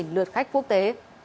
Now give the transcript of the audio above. hai lượt khách quốc tế